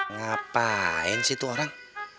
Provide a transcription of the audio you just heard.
ngapain sih itu orang